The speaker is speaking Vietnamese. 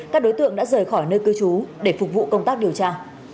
các đối tượng đã rời khỏi nơi cư trú để phục vụ công tác điều tra